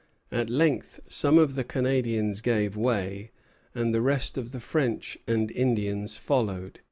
At length some of the Canadians gave way, and the rest of the French and Indians followed.